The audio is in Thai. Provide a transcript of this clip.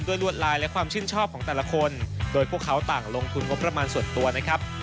ลวดลายและความชื่นชอบของแต่ละคนโดยพวกเขาต่างลงทุนงบประมาณส่วนตัวนะครับ